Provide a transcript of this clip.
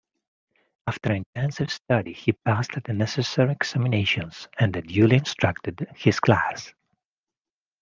After intensive study he passed the necessary examinations, and duly instructed his class.